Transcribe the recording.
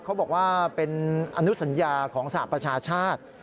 เขาบอกว่าเป็นอนุสัญญาของสหประชาชาติ